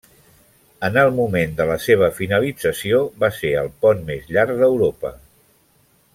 En el moment de la seva finalització, va ser el pont més llarg d'Europa.